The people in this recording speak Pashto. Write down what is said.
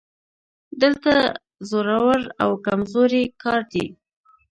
دلته زورور او کمزوری کار دی